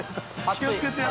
気をつけてや。